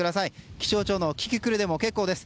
気象庁のキキクルでも結構です。